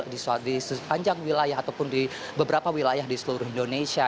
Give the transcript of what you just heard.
di sepanjang wilayah ataupun di beberapa wilayah di seluruh indonesia